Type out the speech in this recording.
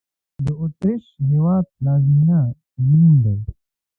د اوترېش هېواد پلازمېنه وین دی